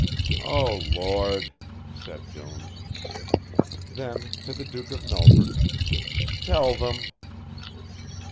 "O Lord," said Jones. Then to the Duke of Melford, "Tell them."